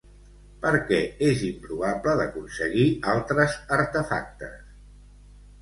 Per què és improbable d'aconseguir altres artefactes?